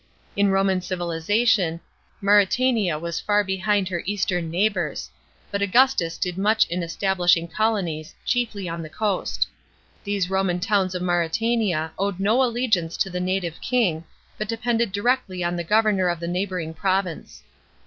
In Roman civilisation, Maurctania vas far behind her eastern neighbours ; but Augustus did much in estr.V filing colonies, chiefly on the coast. These Roman townb of Jk£ JL'Jtenia owed no allegiance to the native king, but depended direc^y on the governor of the neighbouring province.